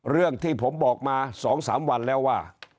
เรื่องที่ผมบอกมา๒๓วันแล้วว่า